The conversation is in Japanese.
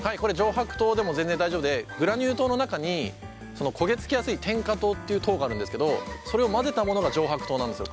白糖でも全然大丈夫でグラニュー糖の中に焦げつきやすい転化糖っていう糖があるんですけどそれを混ぜたものが上白糖なんですよ。